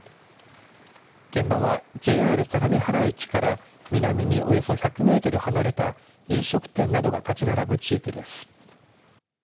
現場は、ＪＲ相模原駅から南におよそ１００メートル離れた飲食店などが建ち並ぶ地域です。